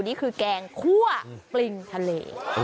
นี่คือแกงคั่วปริงทะเล